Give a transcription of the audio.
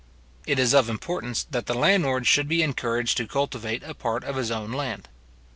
It is of importance that the landlord should be encouraged to cultivate a part of his own land.